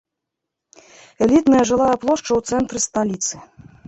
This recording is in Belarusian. Элітная жылая плошча ў цэнтры сталіцы.